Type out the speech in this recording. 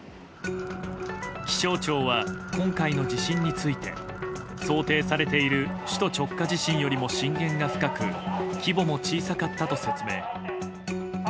気象庁は今回の地震について想定されている首都直下地震よりも震源が深く規模も小さかったと説明。